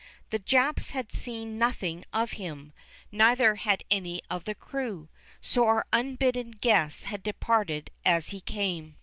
The Japs had seen nothing of him, neither had any of the crew, so our unbidden guest had departed as he came.